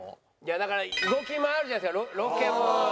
だから動き回るじゃないですかロケも。